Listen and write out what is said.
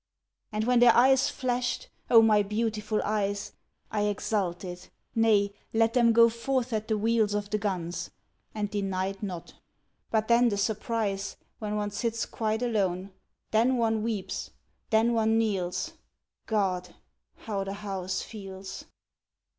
And when their eyes flashed ... O my beautiful eyes! ... I exulted! nay, let them go forth at the wheels Of the guns, and denied not. But then the surprise, When one sits quite alone! Then one weeps, then one kneels! God! how the house feels!